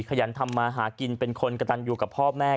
ขยันทำมาหากินเป็นคนกระตันอยู่กับพ่อแม่